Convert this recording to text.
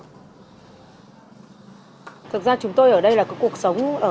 thực ra chúng tôi ở đây là cuộc sống